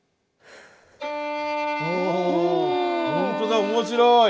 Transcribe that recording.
ほんとだ面白い。